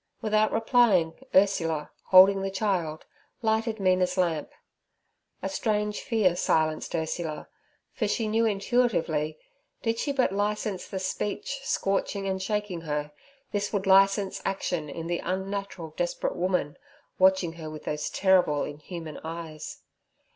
Without replying, Ursula, holding the child, lighted Mina's lamp. A strange fear silenced Ursula, for she knew intuitively did she but license the speech scorching and shaking her, this would license action in the unnatural, desperate woman watching her with those terrible, inhuman eyes.